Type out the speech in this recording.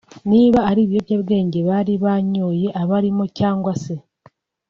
niba ari ibiyobyabwenge bari banyoye abarimo cyangwa se